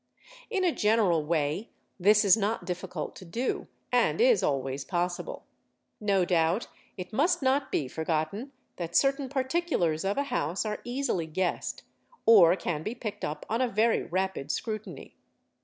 In a general ' way this is not difficult to do and is always possible; no doubt it must 3 not be forgotten that certain particulars of a house are easily guessed i or can be picked up on a very rapid scrutiny.